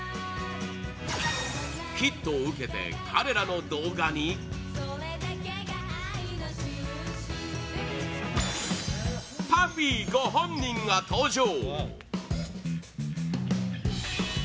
ヒットを受けて彼らの動画にＰＵＦＦＹご本人が登場！